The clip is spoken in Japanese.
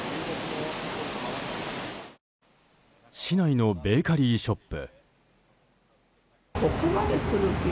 市内のベーカリーショップ。